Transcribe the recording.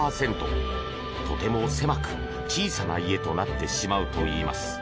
とても狭く小さな家となってしまうといいます。